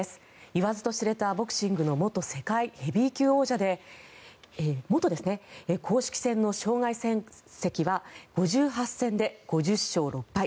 いわずと知れたボクシングの元世界ヘビー級王者で公式戦の生涯戦績は５８戦で５０勝６敗